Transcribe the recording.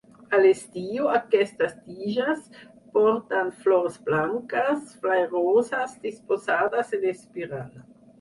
A l'estiu aquestes tiges porten flors blanques, flairoses, disposades en espiral.